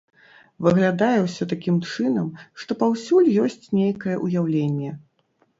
Выглядае ўсё такім чынам, што паўсюль ёсць нейкае ўяўленне.